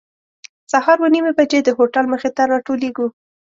سهار اوه نیمې بجې د هوټل مخې ته راټولېږو.